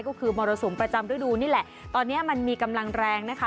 ก็คือมรสุมประจำฤดูนี่แหละตอนนี้มันมีกำลังแรงนะคะ